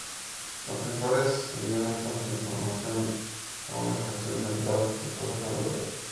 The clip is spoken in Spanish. Los sensores envían entonces la información a una estación central que procesa los datos.